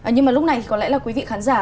nhưng mà lúc này thì có lẽ là quý vị khán giả